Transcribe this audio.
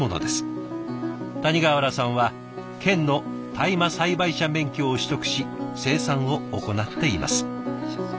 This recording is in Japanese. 谷川原さんは県の大麻栽培者免許を取得し生産を行っています。